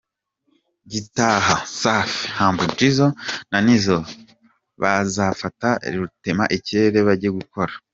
gitaha, Safi, Humble Jizzo na Nizzo bazafata rutema ikirere bajye gukora.